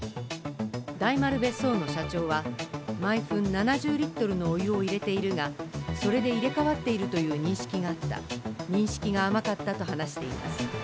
大丸別荘の社長は、毎分７０リットルのお湯を入れているがそれで入れかわっているという認識があった、認識が甘かったと話しています。